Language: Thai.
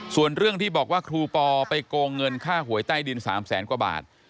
ส่วนเรื่องที่บอกว่าครูปอไปโกงเงินค่าหวยใต้ดิน๓แสนกว่าบาท